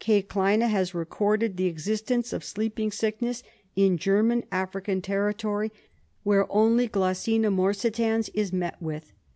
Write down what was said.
Kleine has recorded the existence of sleeping sickness in German African territory where only G. morsitans is met with.